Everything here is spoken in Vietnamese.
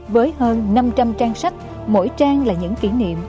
với hơn năm trăm linh trang sách mỗi trang là những kỷ niệm